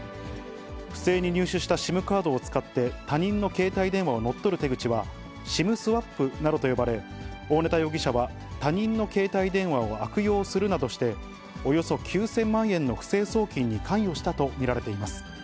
不正に入手したＳＩＭカードを使って、他人の携帯電話を乗っ取る手口は、ＳＩＭスワップなどと呼ばれ、大根田容疑者は、他人の携帯電話を悪用するなどして、およそ９０００万円の不正送金に関与したと見られています。